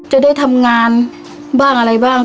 จะได้ทำงานบ้างอะไรบ้าง